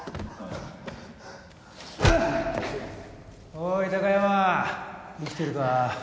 おい貴山生きてるか？